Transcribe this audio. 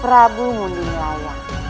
prabu muning layak